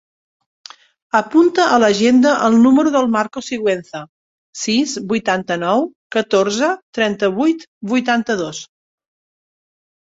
Apunta a l'agenda el número del Marco Siguenza: sis, vuitanta-nou, catorze, trenta-vuit, vuitanta-dos.